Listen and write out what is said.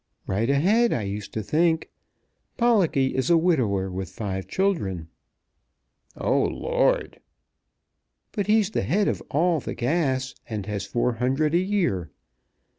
"Right ahead, I used to think. Pollocky is a widower with five children." "Oh Lord!" "But he's the head of all the gas, and has four hundred a year.